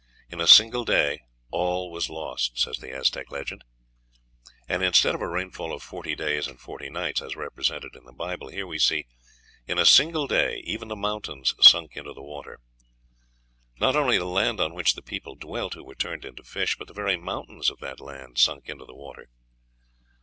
"In a single day all was lost," says the Aztec legend. And, instead of a rainfall of forty days and forty nights, as represented in the Bible, here we see "in a single day ... even the mountains sunk into the water;" not only the land on which the people dwelt who were turned into fish, but the very mountains of that land sunk into the water.